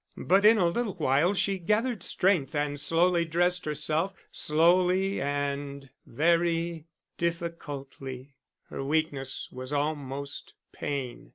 But in a little while she gathered strength and slowly dressed herself, slowly and very difficultly; her weakness was almost pain.